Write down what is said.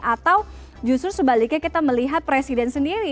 atau justru sebaliknya kita melihat presiden sendiri